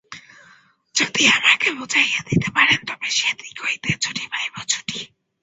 যদি আমাকে বুঝাইয়া দিতে পারেন তবে সে দিক হইতে ছুটি পাইব–ছুটি।